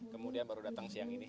kemudian baru datang siang ini